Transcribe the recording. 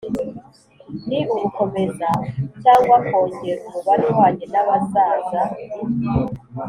Ni ugukomeza cyangwa kongera umubare uhwanye n’abazaza